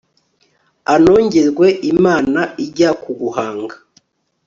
anogerwe, imana ijya kuguhanga